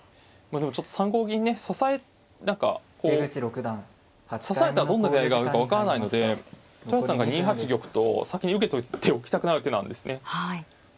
でもちょっと３五銀ね指され何かこう指されたらどんな出会いがあるか分からないので竹内さんが２八玉と先に受けといておきたくなる手なんですね。